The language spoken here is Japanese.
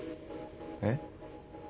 えっ？